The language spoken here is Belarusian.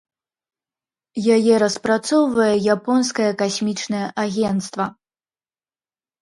Яе распрацоўвае японскае касмічнае агенцтва.